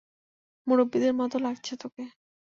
মুরব্বীদের মত লাগছে তোকে!